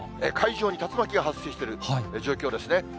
海上に竜巻が発生してる状況ですね。